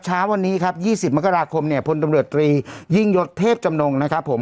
เช้าวันนี้ครับ๒๐มกราคมเนี่ยพลตำรวจตรียิ่งยศเทพจำนงนะครับผม